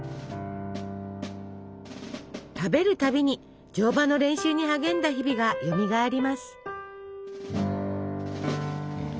食べるたびに乗馬の練習に励んだ日々がよみがえります。